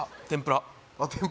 天ぷらあっ